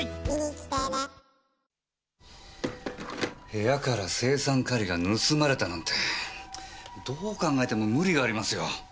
部屋から青酸カリが盗まれたなんてどう考えても無理がありますよ。